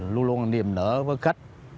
luôn luôn niềm nở với khách